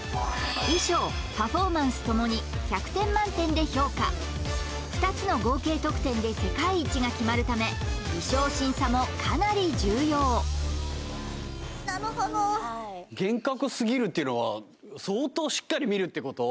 衣装パフォーマンスともに１００点満点で評価２つの合計得点で世界一が決まるため衣装審査もかなり重要相当しっかり見るってこと？